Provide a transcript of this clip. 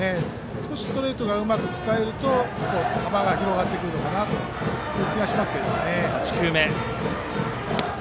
少しストレートがうまく使えると幅が広がってくるのかなという気がしますね。